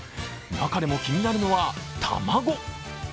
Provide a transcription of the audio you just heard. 中でも、気になるのは玉子。